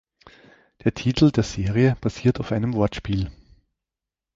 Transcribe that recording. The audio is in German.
Der Titel der Serie basiert auf einem Wortspiel.